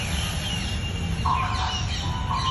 تر سبا پوري به نتيجه معلومه سي.